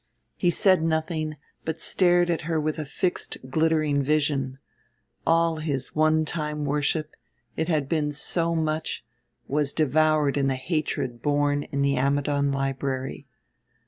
He said nothing, but stared at her with a fixed glittering vision; all his one time worship it had been so much was devoured in the hatred born in the Ammidon library.